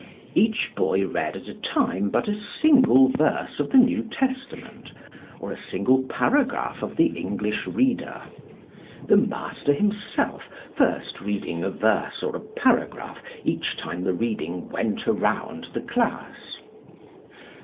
Each boy read, at a time, but a single verse of the New Testament, or a single paragraph of the English Reader; the 'master' himself first reading a verse, or a paragraph, each time the reading went around the class.